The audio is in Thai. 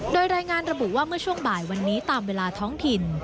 โดยรายงานระบุว่าเมื่อช่วงบ่ายวันนี้ตามเวลาท้องถิ่น